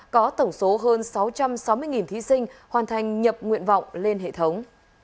có tổng số hơn sáu trăm sáu mươi thí sinh hoàn thành nhập nguyện vọng lên hệ thống